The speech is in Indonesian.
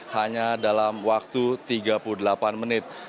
hanya dalam waktu tiga puluh delapan menit